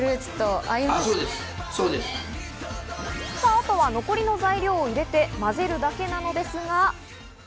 あとは残りの材料を入れて混ぜるだけなのですが。